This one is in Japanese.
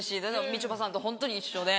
みちょぱさんとホントに一緒で。